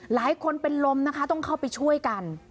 หลายคนเป็นลมนะคะต้องเข้าไปช่วยกัน